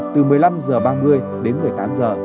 từ một mươi năm h ba mươi đến một mươi tám giờ